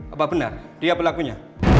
apa benar dia pelakunya